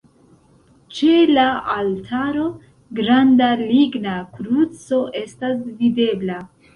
Ĉe la altaro granda ligna kruco estas videbla.